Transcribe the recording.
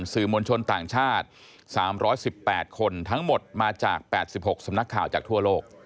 สื่อมวลชนต่างชาติ๓๑๘คนทั้งหมดมาจาก๘๖สำนักข่าวจากทั่วโลก